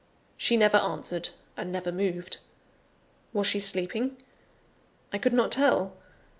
She never answered, and never moved. Was she sleeping? I could not tell.